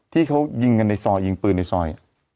ที่เขายิงกันในซอยยิงปืนในซอย